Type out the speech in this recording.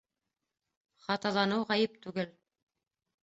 Хаталаныу ғәйеп түгел